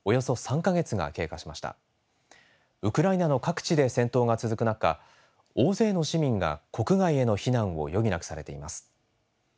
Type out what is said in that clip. ウクライナの各地で戦闘が続く中大勢の市民が国外への避難を余儀なくされています。